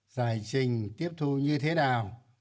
giải trình tiếp thu như thế nào